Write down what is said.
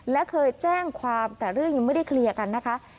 และเคยแจ้งความแต่เรื่องยังไม่ได้เคลียร์กันนะคะ